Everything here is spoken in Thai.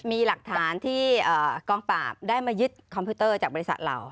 มีหลักฐานที่กองปราบได้มายึดคอมพิวเตอร์จากบริษัทเรา